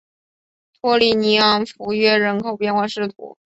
托里尼昂弗约人口变化图示